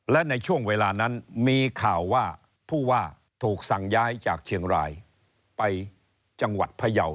และในช่วงเวลานั้นมีข่าวว่าผู้ว่าถูกสั่งย้ายจากเชียงรายไปจังหวัดพยาว